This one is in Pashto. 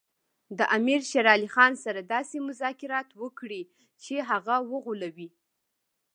د امیر شېر علي خان سره داسې مذاکرات وکړي چې هغه وغولوي.